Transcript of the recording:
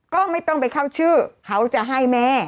ก็ไม่ต้องไปเข้าชื่อเขาจะให้แม่